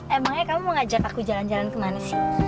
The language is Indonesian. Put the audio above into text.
emangnya kamu ngajak aku jalan jalan ke mana sih